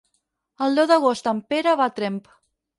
El deu d'agost en Pere va a Tremp.